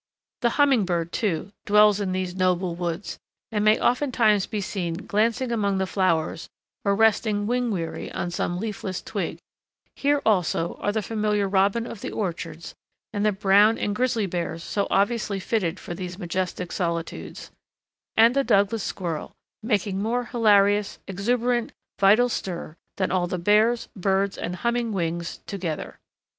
The humming bird, too, dwells in these noble woods, and may oftentimes be seen glancing among the flowers or resting wing weary on some leafless twig; here also are the familiar robin of the orchards, and the brown and grizzly bears so obviously fitted for these majestic solitudes; and the Douglas squirrel, making more hilarious, exuberant, vital stir than all the bears, birds, and humming wings together.